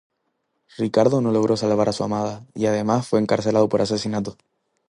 Ricardo no logró salvar a su amada y además fue encarcelado por asesinato.